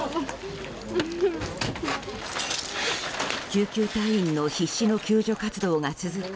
救急隊員の必死の救助活動が続く